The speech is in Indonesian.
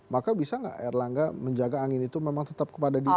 maka bisa nggak erlangga menjaga angin itu memang tetap kepada dirinya